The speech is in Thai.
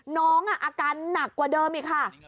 น้องอาการหนักกว่าเดิมอีกค่ะ